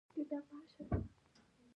اصلي ستونزه هم نه حلېږي.